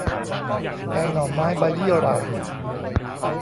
แกงหน่อไม้ใบยี่หร่า